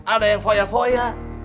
ada yang foya foya